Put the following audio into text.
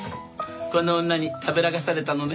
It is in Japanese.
この女にたぶらかされたのね。